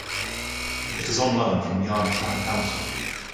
It is on loan from Yarm Town Council.